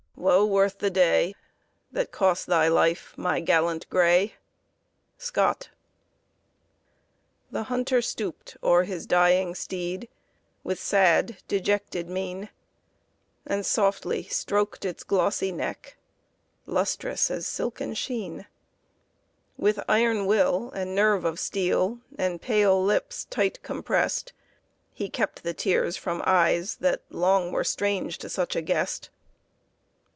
Wo worth the day, That cost thy life, my gallant grey!" Scott The Hunter stooped o'er his dying steed With sad dejected mien, And softly stroked its glossy neck, Lustrous as silken sheen; With iron will and nerve of steel, And pale lips tight compressed, He kept the tears from eyes that long Were strange to such a guest.